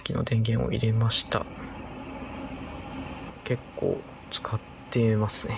結構、使ってますね。